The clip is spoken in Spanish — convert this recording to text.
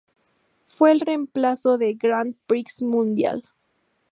Fue el reemplazo del Grand Prix Mundial.